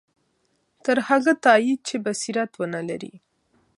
تر هغه تایید چې بصیرت ونه لري.